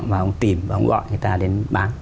và ông tìm và ông gọi người ta đến bán